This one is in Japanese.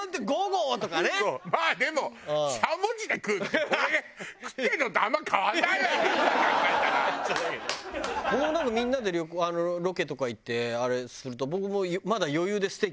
僕もなんかみんなでロケとか行ってあれすると僕もまだ余裕でステーキ１キロとか。